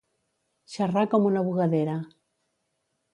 Xerrar com una bugadera.